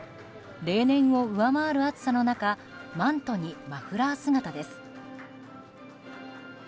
例年を上回る暑さの中マントにマフラー姿です。